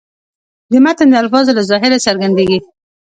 د متن د الفاظو له ظاهره څرګندېږي.